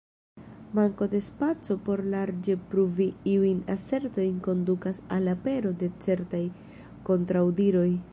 Manko de spaco por larĝe pruvi iujn asertojn kondukas al apero de certaj kontraŭdiroj.